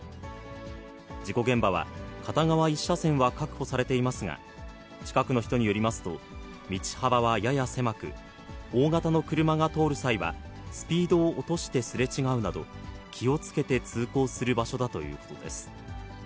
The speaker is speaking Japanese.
事故現場は、片側１車線は確保されていますが、近くの人によりますと、道幅はやや狭く、大型の車が通る際は、スピードを落としてすれ違うなど、気をつけて通行する場所だということです。